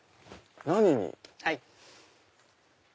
何に？